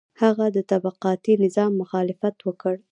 هغه د طبقاتي نظام مخالفت وکړ.